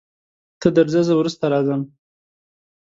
ته درځه زه وروسته راځم.